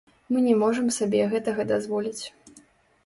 Мы не можам сабе гэтага дазволіць.